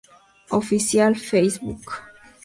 Oficial Facebook